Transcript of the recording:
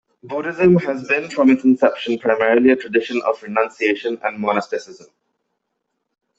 Buddhism has been from its inception primarily a tradition of renunciation and monasticism.